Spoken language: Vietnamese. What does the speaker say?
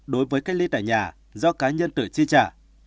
đối với cách ly tại nhà do cá nhân tuổi chi trả